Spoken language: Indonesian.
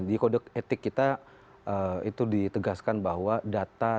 di kode etik kita itu ditegaskan bahwa data